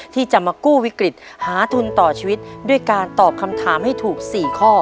ที่จะมากู้วิกฤตหาทุนต่อชีวิตด้วยการตอบคำถามให้ถูก๔ข้อ